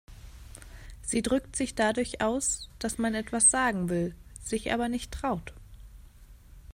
Sie drückt sich dadurch aus, dass man etwas sagen will, sich aber nicht traut.